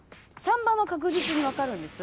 ３番は確実に分かるんです。